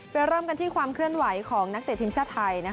เริ่มกันที่ความเคลื่อนไหวของนักเตะทีมชาติไทย